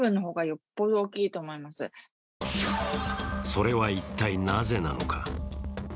それは一体なぜなのか。